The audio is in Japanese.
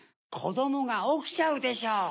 こどもがおきちゃうでしょ。